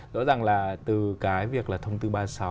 rõ ràng là từ cái việc là thông tư ba mươi sáu